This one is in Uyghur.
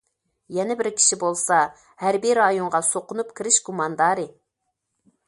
يەنە بىر كىشى بولسا ھەربىي رايونغا سۇقۇنۇپ كىرىش گۇماندارى.